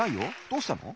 どうしたの？